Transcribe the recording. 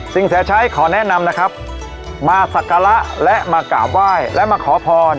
สิ่งแสดงขอแนะนำนะครับมาศักระและมากราบไหว้และมาขอพร